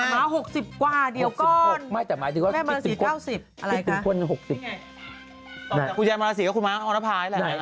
มาร์๖๐กว่าเดียวก่อนแม่มาราศรีเท่า๑๐อะไรคะ